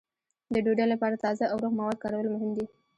د ډوډۍ لپاره تازه او روغ مواد کارول مهم دي.